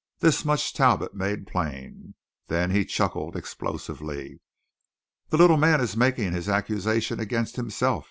This much Talbot made plain. Then he chuckled explosively. "The little man is making his accusation against himself!"